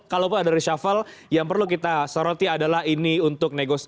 kalau pun ada reshuffle yang perlu kita soroti adalah ini untuk negos